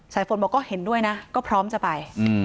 สายฝนบอกก็เห็นด้วยนะก็พร้อมจะไป